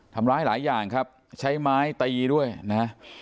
ทำร้ายหลายอย่างครับใช้ไม้ตีด้วยนะ